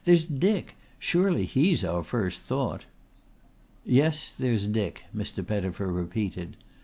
"There's Dick. Surely he's our first thought." "Yes, there's Dick," Mr. Pettifer repeated.